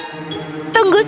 kau akan menangkapku fluff